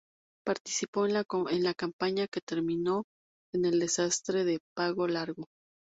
Participó en la campaña que terminó en el desastre de Pago Largo.